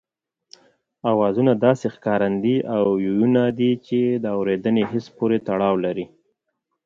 آوازونه داسې ښکارندې او يوونونه دي چې د اورېدني حس پورې تړاو لري